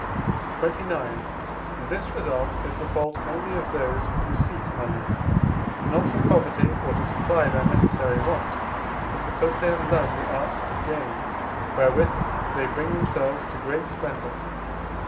XXIX. This result is the fault only of those, who seek money, not from poverty or to supply their necessary wants, but because they have learned the arts of gain, wherewith they bring themselves to great splendour.